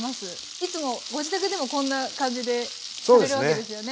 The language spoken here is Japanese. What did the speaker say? いつもご自宅でもこんな感じでされるわけですよね。